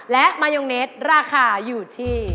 และมายงเน็ตราคาอยู่ที่